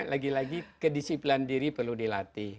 lagi lagi kedisiplinan diri perlu dilatih